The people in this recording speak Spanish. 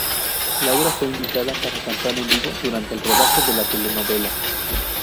Laura fue invitada para cantar en vivo durante el rodaje de la telenovela.